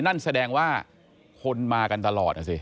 นั่นแสดงว่าคนมากันตลอดนะสิ